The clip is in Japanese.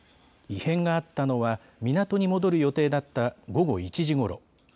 異変があったのは港に戻る予定だった午後１時ごろ。